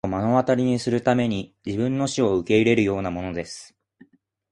自分の死を目の当たりにするために自分の死を受け入れるようなものです!